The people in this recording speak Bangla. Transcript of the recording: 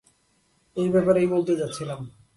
এই ব্যাপারেই বলতে যাচ্ছিলাম।